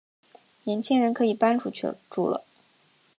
年轻人可以搬出去住了